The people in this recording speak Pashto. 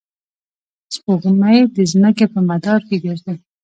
سپوږمۍ د ځمکې په مدار کې ګرځي.